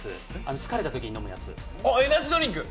疲れたときに飲むやつ。